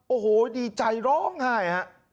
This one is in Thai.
โอ้โหดีใจร้องไห้ฮะ